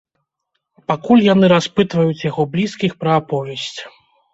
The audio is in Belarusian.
Пакуль яны распытваюць яго блізкіх пра аповесць.